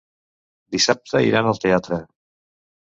Dissabte iran al teatre.